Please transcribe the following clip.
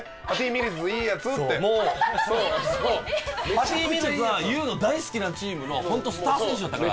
パティ・ミルズは佑の大好きなチームの本当スター選手だったから。